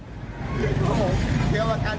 เจ็บจริงครับผมเจ็บครับ